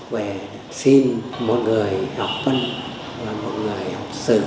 về xin một người học phân và một người học sử